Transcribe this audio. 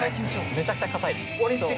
めちゃくちゃ堅いです。